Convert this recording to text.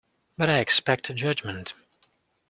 But I expect a judgment.